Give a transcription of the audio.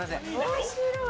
面白い！